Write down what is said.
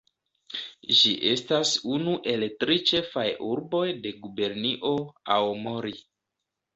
Ĝi estas unu el tri ĉefaj urboj de Gubernio Aomori.